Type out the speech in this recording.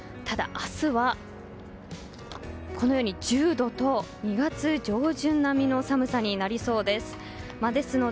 ただ明日はこのように１０度と２月上旬並みの寒さになりそうです。